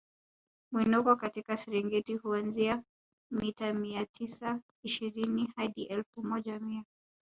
Mwinuko katika Serengeti huanzia mita mia tisa ishirini hadi elfu moja mia